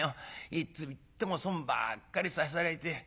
いつ行っても損ばっかりさせられて。